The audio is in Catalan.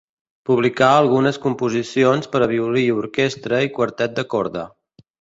Publicà algunes composicions per a violí i orquestra i quartet de corda.